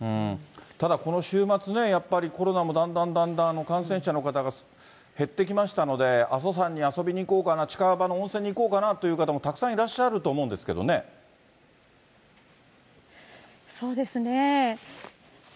ただこの週末、やっぱりコロナもだんだんだんだん感染者の方が減ってきましたので、阿蘇山に遊びに行こうかな、近場の温泉に行こうかなという方もたくさんいらっしゃると思うんそうですね。